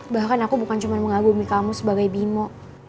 bahkan aku bukan cuma mengagumi kamu sebagai bimo